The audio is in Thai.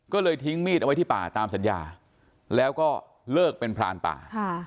ก็เลยทิ้งมีดเอาไว้ที่ป่าตามสัญญาแล้วก็เลิกเป็นพรานป่า